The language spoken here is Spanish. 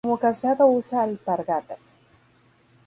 Como calzado usa alpargatas.